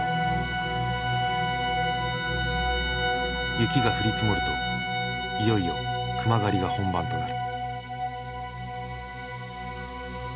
雪が降り積もるといよいよ熊狩りが本番となる。